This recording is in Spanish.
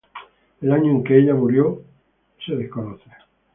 El año en el que ella murió es desconocido.